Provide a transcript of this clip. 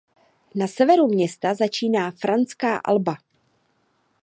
Na severu města začíná Franská Alba.